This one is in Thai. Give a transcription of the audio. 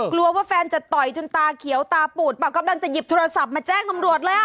กลัวว่าแฟนจะต่อยจนตาเขียวตาปูดเปล่ากำลังจะหยิบโทรศัพท์มาแจ้งตำรวจแล้ว